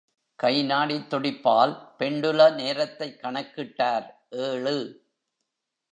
கை நாடித் துடிப்பால் பெண்டுல நேரத்தை கணக்கிட்டார் ஏழு.